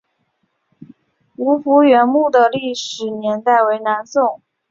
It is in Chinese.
吴福源墓的历史年代为南宋。